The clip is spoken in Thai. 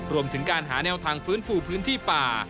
รวมถึงการหาแนวทางฟื้นฟูพื้นที่ป่า